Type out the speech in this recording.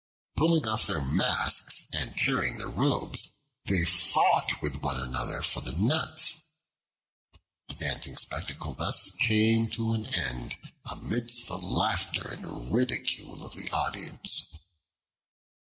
Pulling off their masks and tearing their robes, they fought with one another for the nuts. The dancing spectacle thus came to an end amidst the laughter and ridicule of the audience.